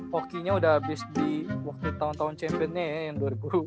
hoki nya udah abis di waktu tahun tahun championnya ya yang dua ribu empat belas dua ribu